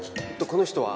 この人は。